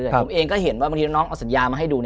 แต่ผมเองก็เห็นว่าบางทีน้องเอาสัญญามาให้ดู